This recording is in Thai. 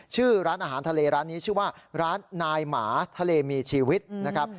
ชื่อร้านอาหารทะเลร้านนี้ชื่อว่าร้านนายหมาทะเลมีชีวิตนะครับ